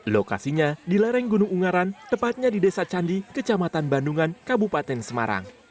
lokasinya di lereng gunung ungaran tepatnya di desa candi kecamatan bandungan kabupaten semarang